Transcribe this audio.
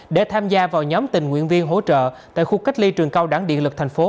để tham gia vào nhóm tình nguyện viên hỗ trợ tại khu cách ly trường cao đẳng điện lực tp hcm